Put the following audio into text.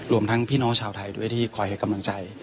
รวมทั้งพี่น้องชาวไทยด้วยที่คอยให้กำลังใจ